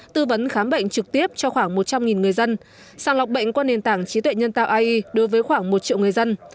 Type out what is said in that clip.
tư vấn khám bệnh trực tiếp cho khoảng một trăm linh người dân sàng lọc bệnh qua nền tảng trí tuệ nhân tạo ai đối với khoảng một triệu người dân